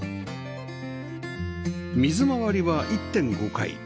水回りは １．５ 階